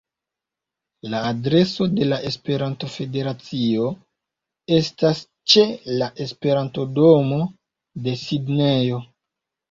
La adreso de la Esperanto-Federacio estas ĉe la Esperanto-domo de Sidnejo.